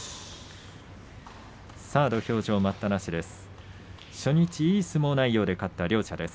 土俵上、待ったなしです。